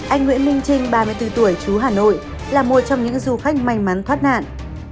anh nguyễn minh trinh ba mươi bốn tuổi chú hà nội là một trong những du khách may mắn thoát nạn